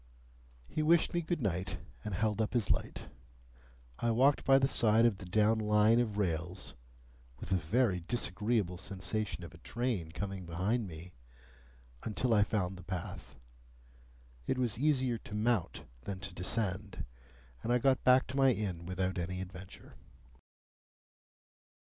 He wished me good night, and held up his light. I walked by the side of the down Line of rails (with a very disagreeable sensation of a train coming behind me) until I found the path. It was easier to mount than to descend, and I got back to my inn without any adventure.